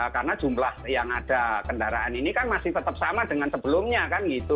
karena jumlah yang ada kendaraan ini kan masih tetap sama dengan sebelumnya kan gitu